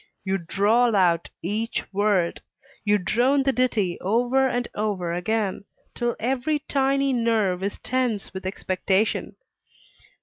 You drawl out each word; you drone the ditty over and over again, till every tiny nerve is tense with expectation.